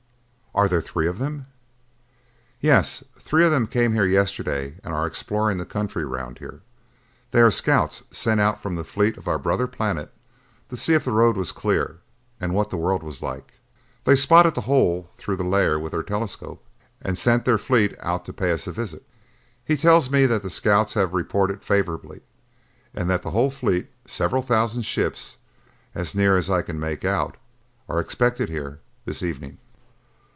"Are there three of them?" "Yes. Three of them came here yesterday and are exploring the country round about here. They are scouts sent out from the fleet of our brother planet to see if the road was clear and what the world was like. They spotted the hole through the layer with their telescope and sent their fleet out to pay us a visit. He tells me that the scouts have reported favorably and that the whole fleet, several thousand ships, as near as I can make out, are expected here this evening."